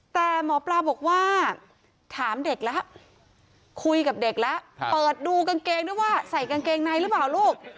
แต่หมอปลาบอกว่าถามเด็กแล้วคุยกับเด็กแล้วเปิดดูกางเกงด้วยว่าใส่กางเกงในหรือเปล่าลูก